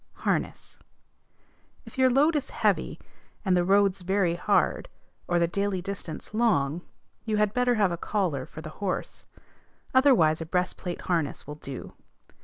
HARNESS. If your load is heavy, and the roads very hard, or the daily distance long, you had better have a collar for the horse: otherwise a breastplate harness will do.